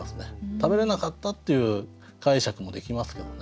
食べれなかったっていう解釈もできますけどね。